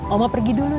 oma pergi dulu ya